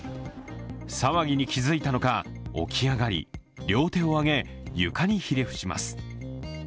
騒ぎに気づいたのか、起き上がり両手を挙げ床にひれ伏します。